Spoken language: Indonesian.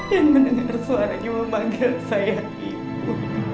dan mendengar suaranya memanggil saya ibu